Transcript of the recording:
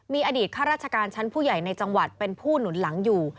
มีอดีตข้าราชการชั้นผู้ใหญ่ในจังหวัดเป็นผู้หนุนหลังอยู่